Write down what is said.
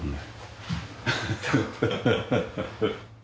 ハハハハ。